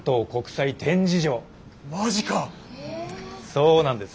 そうなんです。